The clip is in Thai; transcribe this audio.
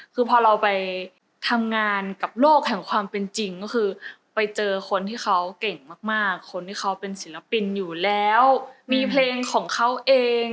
คือพอเราไปทำงานกับโลกแห่งความเป็นจริงก็คือไปเจอคนที่เขาเก่งมากคนที่เขาเป็นศิลปินอยู่แล้วมีเพลงของเขาเอง